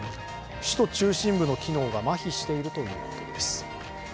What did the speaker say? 首都中心部の機能がまひしているということです。